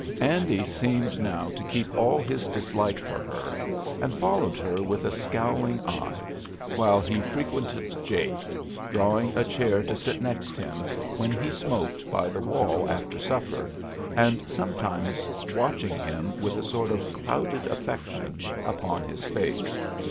Andy seemed now to keep all his dislike for her, and followed her with a scowling eye, while he frequented Jake, drawing a chair to sit next him when he smoked by the wall after supper, and sometimes watching him with a sort of clouded affection upon his face.